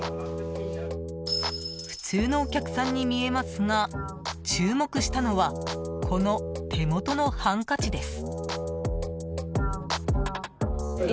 普通のお客さんに見えますが注目したのはこの手元のハンカチです。